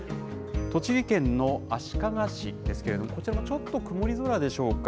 栃木県の足利市ですけれども、こちらはちょっと曇り空でしょうか。